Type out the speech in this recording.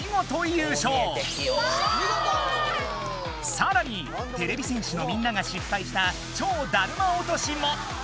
さらにてれび戦士のみんなが失敗した「超だるま落とし」も。